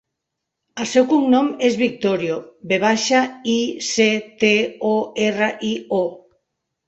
El seu cognom és Victorio: ve baixa, i, ce, te, o, erra, i, o.